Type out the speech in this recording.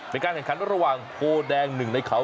เป็นการแข่งขันระหว่างโพแดงหนึ่งในเขา